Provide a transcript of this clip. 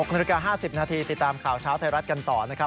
นาฬิกา๕๐นาทีติดตามข่าวเช้าไทยรัฐกันต่อนะครับ